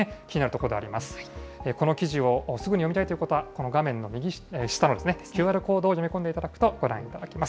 この記事をすぐに読みたいという方は、この画面の右下のＱＲコードを読み込んでいただくとご覧いただけます。